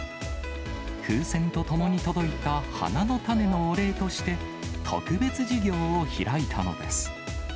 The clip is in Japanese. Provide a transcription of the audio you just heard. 風船とともに届いた花の種のお礼として、特別授業を開いたのです。